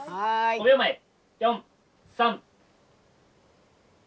５秒前４３。